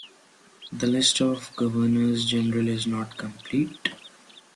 The list of Governors-General is not complete.